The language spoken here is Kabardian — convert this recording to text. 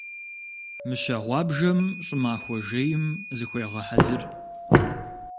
Мыщэ гъуабжэм щӀымахуэ жейм зыхуегъэхьэзыр.